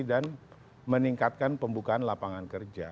dan meningkatkan pembukaan lapangan kerja